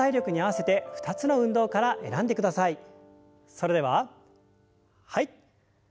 それでははい。